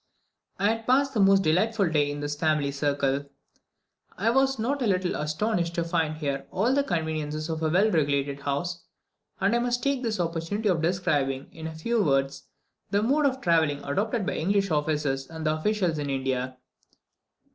I passed the most delightful day in this family circle. I was not a little astonished to find here all the conveniences of a well regulated house; and I must take this opportunity of describing, in few words, the mode of travelling adopted by the English officers and officials in India.